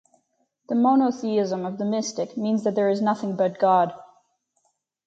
The monotheism of the mystic means that there is nothing but God.